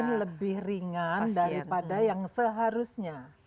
ini lebih ringan daripada yang seharusnya